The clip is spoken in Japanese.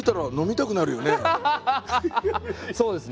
そうですね。